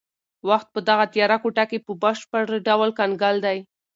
وخت په دغه تیاره کوټه کې په بشپړ ډول کنګل دی.